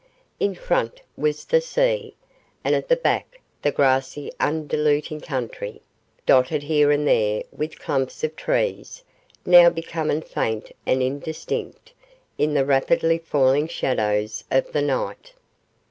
In front was the sea, and at the back the grassy undulating country, dotted here and there with clumps of trees now becoming faint and indistinct in the rapidly falling shadows of the night.